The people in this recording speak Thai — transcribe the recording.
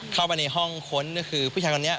เข้ามาในห้องค้นก็คือผู้ชายคนนี้